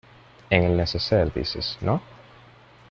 en el neceser dices, ¿ no?